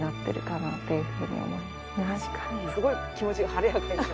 すごい気持ちが晴れやかになる。